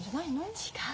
違う。